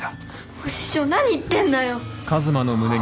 お師匠何言ってんだよ！